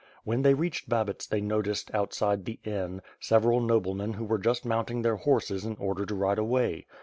When they reached Babits they noticed, outside the inn, several noblemen who were just mounting their horses in order to ride away.